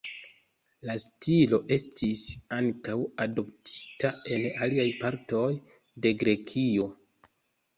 La stilo estis ankaŭ adoptita en aliaj partoj de Grekio.